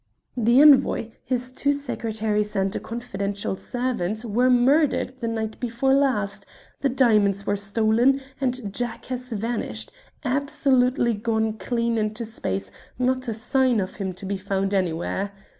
"The Envoy, his two secretaries, and a confidential servant were murdered the night before last, the diamonds were stolen, and Jack has vanished absolutely gone clean into space, not a sign of him to be found anywhere.